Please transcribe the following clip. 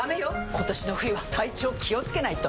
今年の冬は体調気をつけないと！